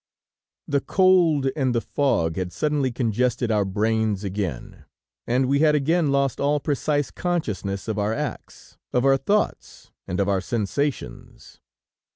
The cold and the fog had suddenly congested our brains again, and we had again lost all precise consciousness of our acts, of our thoughts and of our sensations.